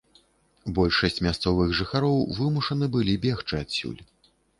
Большасць мясцовых жыхароў вымушаны былі бегчы адсюль.